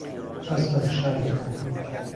هەست بە فشار دەکەم.